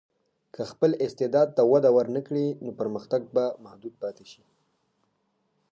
که خپل استعداد ته وده ورنکړې، نو پرمختګ به محدود پاتې شي.